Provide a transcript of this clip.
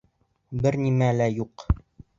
Бер нәмәлә юҡ!